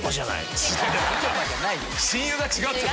親友が「違う」って